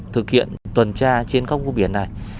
thực hiện tuần tra trên các vùng biển này